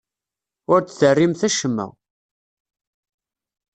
Ur d-terrimt acemma.